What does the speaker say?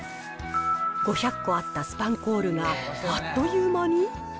５００個あったスパンコールが、あっという間に。